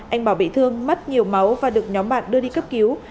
anh bảo bị thương mất nhiều máu và được nhóm bạn đưa đi cấp cứu